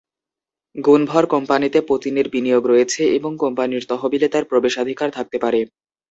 গুনভর কোম্পানিতে পুতিনের বিনিয়োগ রয়েছে এবং কোম্পানির তহবিলে তাঁর প্রবেশাধিকার থাকতে পারে।